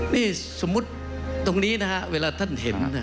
นี่สมมุติตรงนี้นะฮะเวลาท่านเห็น